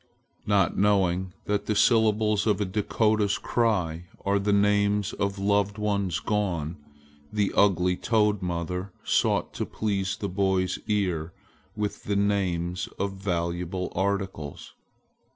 Not knowing that the syllables of a Dakota's cry are the names of loved ones gone, the ugly toad mother sought to please the boy's ear with the names of valuable articles.